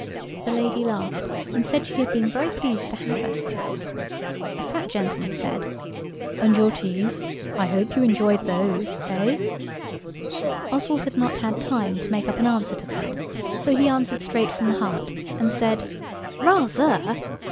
The lady laughed, and said she had been very pleased to have us. A fat gentleman said– "And your teas? I hope you enjoyed those–eh?" Oswald had not had time to make up an answer to that, so he answered straight from the heart, and said– "Ra–ther!"